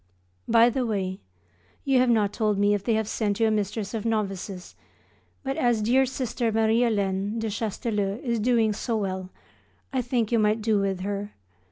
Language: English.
By the way, you have not told me if they have sent you a mistress of novices; but as dear Sister Marie Hélène (de Chastellux) is doing so well I think you might do with her.